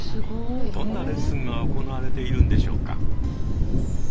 どんなレッスンが行われているのでしょうか？